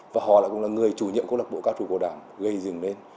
và họ cũng là người chủ nhiệm cơ lộc bộ ca chủ của đảng gây dừng lên